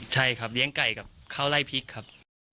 ใช่ครับเลี้ยงไก่กับข้าวไล่พริกครับ